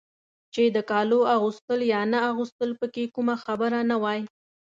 چې د کالو اغوستل یا نه اغوستل پکې کومه خبره نه وای.